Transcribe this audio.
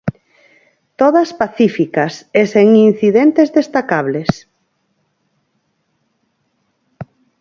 Todas pacíficas e sen incidentes destacables.